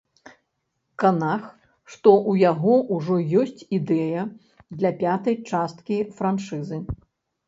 Канах, што ў яго ўжо ёсць ідэя для пятай часткі франшызы.